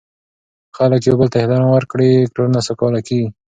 که خلک یو بل ته احترام ورکړي، ټولنه سوکاله کیږي.